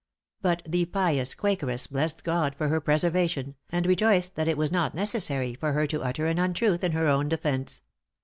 But the pious quakeress blessed God for her preservation, and rejoiced that it was not necessary for her to utter an untruth in her own defence.